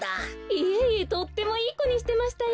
いえいえとってもいいこにしてましたよ。